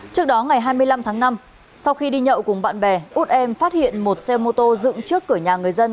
trước đó ngày hai mươi năm tháng năm sau khi đi nhậu cùng bạn bè út em phát hiện một xe mô tô dựng trước cửa nhà người dân